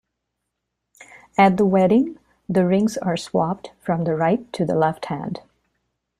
At the wedding, the rings are swapped from the right to the left hand.